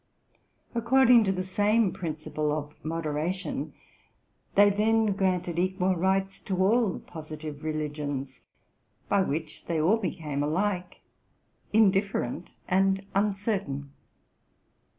According to the same principle of modera tion, they then granted equal rights to all positive religions, by which they all became alike indifferent and uncertain.